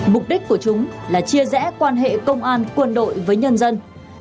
mục đích của chúng là chia rẽ quan hệ công an quân đội với nhân dân